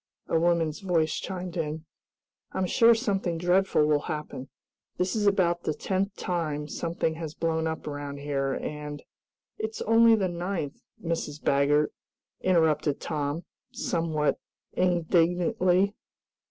a woman's voice chimed in. "I'm sure something dreadful will happen! This is about the tenth time something has blown up around here, and " "It's only the ninth, Mrs. Baggert," interrupted Tom, somewhat indignantly.